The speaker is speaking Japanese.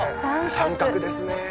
三角ですね。